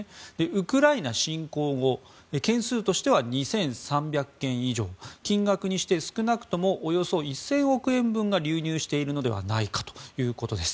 ウクライナ侵攻後件数としては２３００件以上金額にして少なくともおよそ１０００億円分が流入しているのではないかということです。